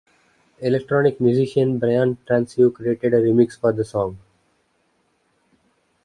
Electronic musician Brian Transeau created a remix for the song.